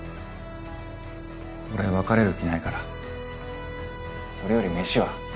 俺別れる気ないからそれより飯は？